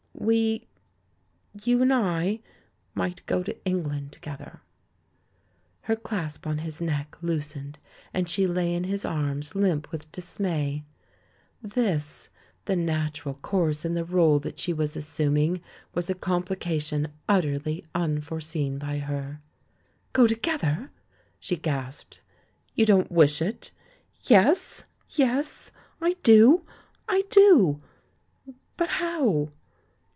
"We — you and I — might go to England to gether." Her clasp on his neck loosened and she lay in his arms limp with dismay. Tliis, the natural course in the role that she was assuming, was a complication utterly unforeseen by her. "Go together?" she gasped. "You don't wish it?" "Yes, yes! I do! I do! But how?"